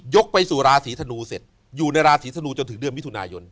ไปสู่ราศีธนูเสร็จอยู่ในราศีธนูจนถึงเดือนมิถุนายน